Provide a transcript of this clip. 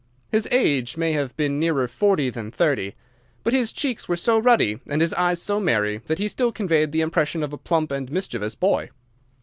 His age may have been nearer forty than thirty, but his cheeks were so ruddy and his eyes so merry that he still conveyed the impression of a plump and mischievous boy.